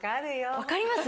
分かります？